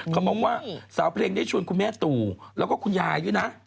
เขาบอกว่าสาวเพลงได้ชวนคุณแม่ตู่แล้วก็คุณยายด้วยนะ